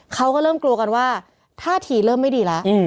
เขาก็เริ่มกลัวกันว่าท่าทีเริ่มไม่ดีแล้ว